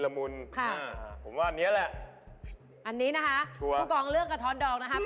ละมุนค่ะผมว่าอันนี้แหละอันนี้นะคะผู้กองเลือกกระท้อนดองนะครับ